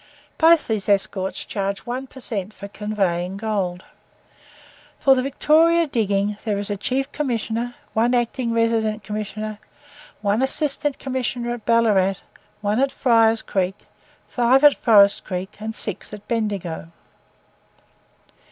Both these escorts charge one per cent for conveying gold. For the Victoria diggings, there is a Chief Commissioner, one Acting Resident Commissioner; one Assistant Commissioner at Ballarat, one at Fryer's Creek, five at Forest Creek, and six at Bendigo.